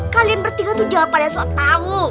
kalian bertiga tuh jawab pada saat tahu